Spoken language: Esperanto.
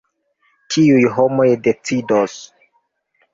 Tiuj homoj decidos.